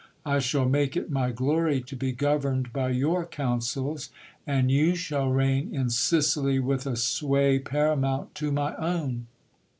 I shall make it my glory to be governed by your counsels, and you shall reign in Sicily with a sway paramount to my own.